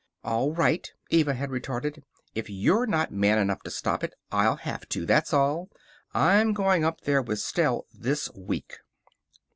"All right," Eva had retorted. "If you're not man enough to stop it, I'll have to, that's all. I'm going up there with Stell this week."